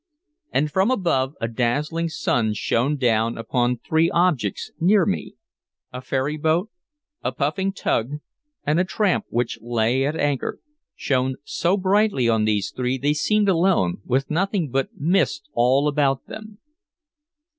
And from above, a dazzling sun shone down upon three objects near me, a ferryboat, a puffing tug, and a tramp which lay at anchor, shone so brightly on these three they seemed alone, with nothing but mist all about them.